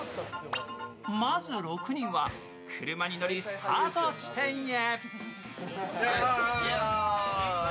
まず６人は車に乗り、スタート地点へ。